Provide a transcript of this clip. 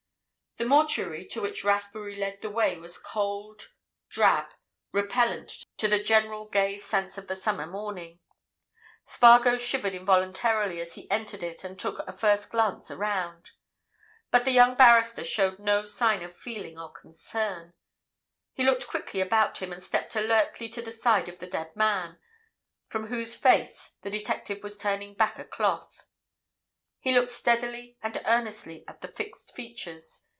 The mortuary to which Rathbury led the way was cold, drab, repellent to the general gay sense of the summer morning. Spargo shivered involuntarily as he entered it and took a first glance around. But the young barrister showed no sign of feeling or concern; he looked quickly about him and stepped alertly to the side of the dead man, from whose face the detective was turning back a cloth. He looked steadily and earnestly at the fixed features.